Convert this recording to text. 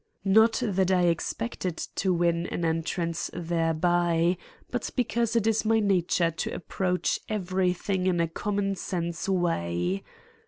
Not that I expected to win an entrance thereby, but because it is my nature to approach everything in a common sense way.